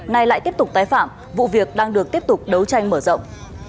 nay lại tiếp tục tái phạm vụ việc đang được tiếp tục đấu tranh mở rộng